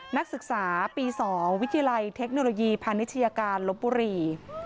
นักศึกษาปี๒วิทยาลัยเทคโนโลยีพาณิชยาการลบบุรี